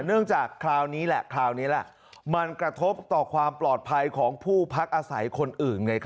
เนื่องจากเมื่อกี้แหละเมื่อกี้มาผ่านกระทบต่อความปลอดภัยของผู้พักอาศัยคนอื่น